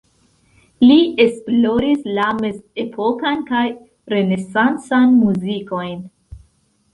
Li esploris la mezepokan kaj renesancan muzikojn.